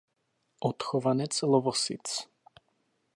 Odchovanec Lovosic.